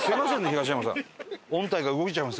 東山さん。